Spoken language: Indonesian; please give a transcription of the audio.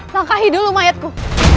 langkahin dulu mayatku